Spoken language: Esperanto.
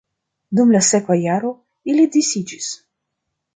Dum la sekva jaro ili disiĝis.